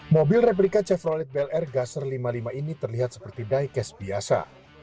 mobil replika chevrolet bel air gasser lima puluh lima ini terlihat seperti diecast biasa